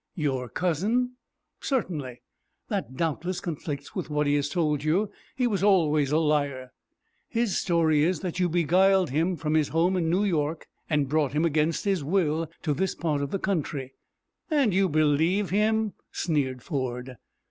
"Your cousin?" "Certainly. That doubtless conflicts with what he has told you. He was always a liar." "His story is, that you beguiled him from his home in New York, and brought him against his will to this part of the country." "And you believe him?" sneered Ford.